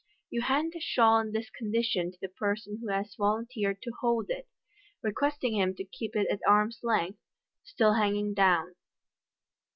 You hand the shawl in this condition to the person who has volunteered to hold it, requesting him to keep it at arm's length, still hanging down.